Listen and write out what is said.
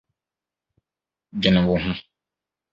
Dwene wo ho